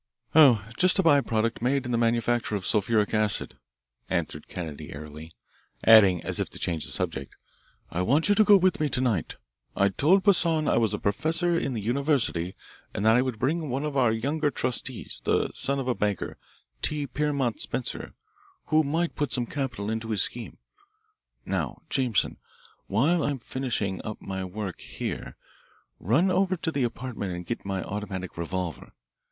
"Oh, just a by product made in the manufacture of sulphuric acid," answered Kennedy airily, adding, as if to change the subject: "I want you to go with me to night. I told Poissan I was a professor in the university and that I would bring one of our younger trustees, the son of the banker, T. Pierpont Spencer, who might put some capital into his scheme. Now, Jameson, while I'm finishing up my work here, run over to the apartment and get my automatic revolver.